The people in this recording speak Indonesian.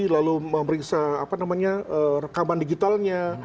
lalu memeriksa rekaman digitalnya